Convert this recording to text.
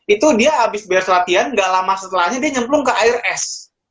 itu dia abis berlatian gak lama setelahnya dia nyemplung ke air es